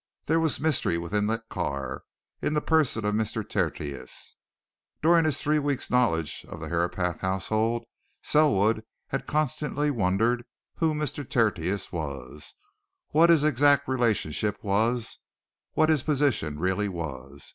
There was mystery within that car in the person of Mr. Tertius. During his three weeks' knowledge of the Herapath household Selwood had constantly wondered who Mr. Tertius was, what his exact relationship was, what his position really was.